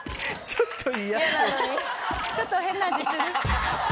ちょっと変な味する？